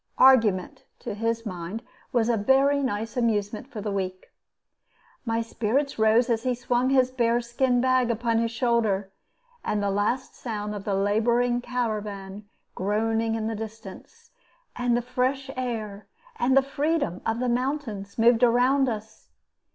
Argument, to his mind, was a very nice amusement for the weak. My spirits rose as he swung his bear skin bag upon his shoulder, and the last sound of the laboring caravan groaned in the distance, and the fresh air and the freedom of the mountains moved around us.